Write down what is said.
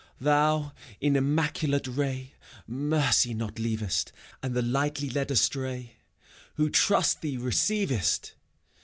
Thou, in immaculate ray, Mercy not leavest, 3 And the lightly led astray. Who trust thee, receivest!